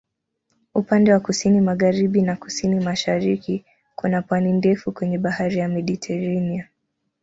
Upande wa kusini-magharibi na kusini-mashariki kuna pwani ndefu kwenye Bahari ya Mediteranea.